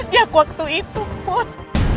ya waktu itu pun